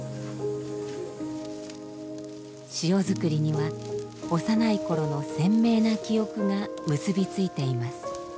塩作りには幼い頃の鮮明な記憶が結び付いています。